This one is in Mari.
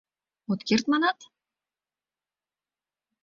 От керт, манат?..